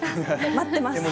待ってます。